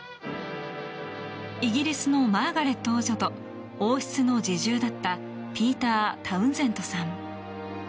イギリスのマーガレット王女と王室の侍従だったピーター・タウンゼンドさん。